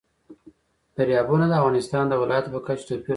دریابونه د افغانستان د ولایاتو په کچه توپیر لري.